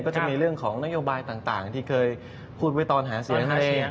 ก็จะมีเรื่องของนโยบายต่างที่เคยพูดไว้ตอนหาเสียงให้เสียง